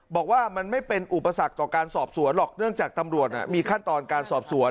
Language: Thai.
บอกว่ามันไม่เป็นอุปสรรคต่อการสอบสวนหรอกเนื่องจากตำรวจมีขั้นตอนการสอบสวน